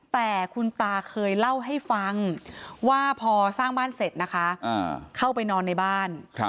แต่คุณตาเคยเล่าให้ฟังว่าพอสร้างบ้านเสร็จนะคะเข้าไปนอนในบ้าน